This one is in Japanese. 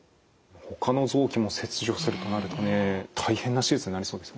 ほかの臓器も切除するとなるとね大変な手術になりそうですね。